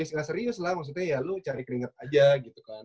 istilah serius lah maksudnya ya lu cari keringet aja gitu kan